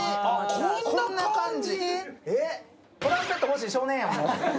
こんな感じ！？